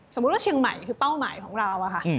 สมมุติว่าเชียงใหม่คือเป้าหมายของเราอะค่ะ